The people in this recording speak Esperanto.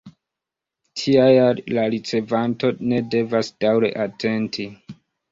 Tial la ricevanto ne devas daŭre atenti.